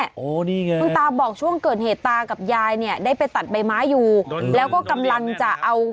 คุณตาก็ชี้ให้ดูเนี่ยไอ้ตุ่มฝานั่นเนี่ย